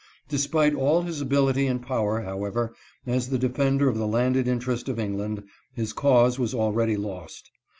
Despite all his ability and power, however, as the defend er of the landed interests of England, his cause was already lost.